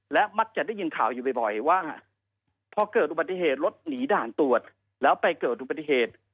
และมักจะได้ยินข่าวอยู่บ่อยว่าพอเกิดอุบัติเหตุรถหนีด่านตรวจแล้วไปเกิดอุบัติเหตุ